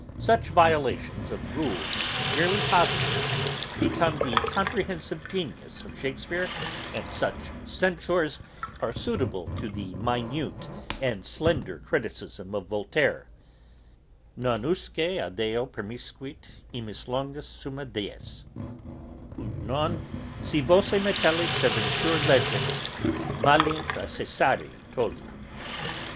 Such violations of rules merely positive, become the comprehensive genius of Shakespeare, and such censures are suitable to the minute and slender criticism of Voltaire: Non usque adeo permiscuit imis Longus summa dies, ut non, si voce Metelli Serventur leges, malint a Cæsare tolli.